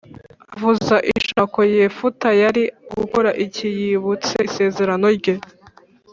avuza ishako Yefuta yari gukora iki Yibutse isezerano rye